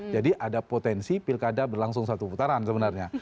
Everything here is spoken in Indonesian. jadi ada potensi pilkada berlangsung satu putaran sebenarnya